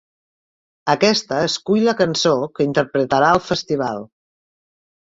Aquesta escull la cançó que interpretarà al Festival.